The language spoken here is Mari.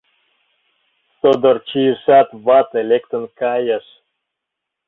Содор чийышат, вате лектын кайыш.